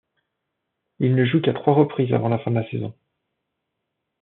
Il ne joue qu’à trois reprises avant la fin de la saison.